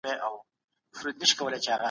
ساعتونه په ودانۍ کي ولي سته؟